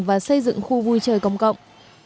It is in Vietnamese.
và xây dựng khu vui chơi công cộng